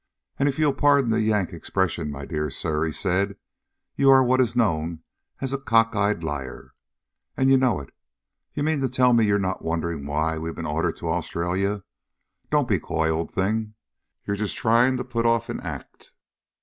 "And if you'll pardon the Yank expression, my dear sir," he said, "you are what is known as a cockeyed liar. And you know it! You mean to tell me you're not wondering why we've been ordered to Australia? Don't be coy, old thing! You're just trying to put off an act!"